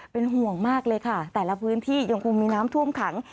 เป็นห่วงมากเลยค่ะแต่ละพื้นที่ยังคงมีน้ำท่วมขัง